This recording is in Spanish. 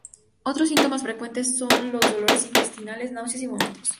Otros síntomas frecuentes son los dolores intestinales, náuseas y vómitos.